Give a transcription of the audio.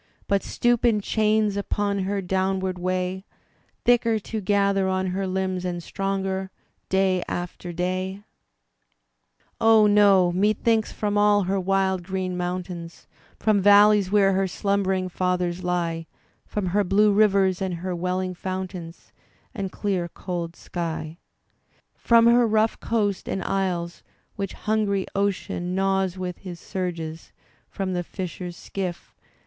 But stoop in chains upon her downward way. Thicker to gather on her limbs and stronger Day after day? Digitized by Google 116 THE SPIRIT OF AMERICAN LITERATURE Oh, no; me thinks from ail her wild green mountains — From valleys where her slumbering fathers lie — From her blue rivers and her welling fountains. And dear cold sky — From her rough coast, and isles, which hungry Ocean Gnaws with his surges — from the fisher's skiff.